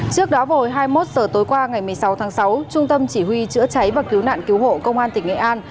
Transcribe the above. trước đó hồi hai mươi một h tối qua ngày một mươi sáu tháng sáu trung tâm chỉ huy chữa cháy và cứu nạn cứu hộ công an tỉnh nghệ an